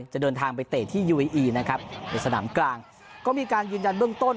จะเดินทางไปเตะที่ยูเออีนะครับในสนามกลางก็มีการยืนยันเบื้องต้น